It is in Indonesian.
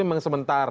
ini memang sementara